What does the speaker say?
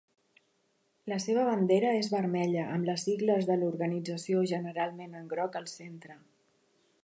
La seva bandera és vermella amb les sigles de l'organització generalment en groc al centre.